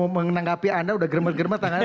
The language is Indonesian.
menganggapi anda sudah gemar gemar tangannya